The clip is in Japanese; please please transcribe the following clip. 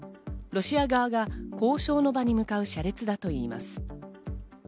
ロシア側が交渉の場に向かう車列だといいます。